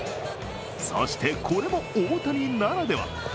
そして、これも大谷ならでは。